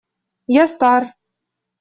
Я стар.